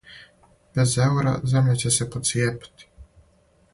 Без еура, земља ће се поцијепати.